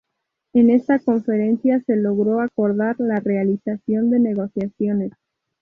En esta conferencia se logró acordar la realización de negociaciones.